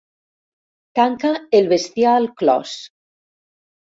Tanca el bestiar al clos.